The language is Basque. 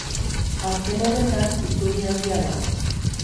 Azken horretan, izurri handia da.